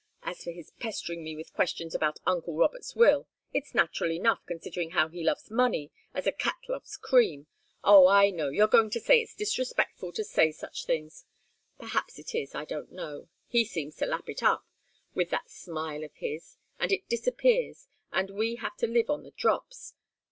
As for his pestering me with questions about uncle Robert's will, it's natural enough, considering how he loves money, as a cat loves cream. Oh, I know! You're going to say it's disrespectful to say such things. Perhaps it is I don't know he seems to lap it up with that smile of his and it disappears, and we have to live on the drops.